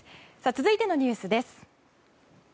続いてのニュースです。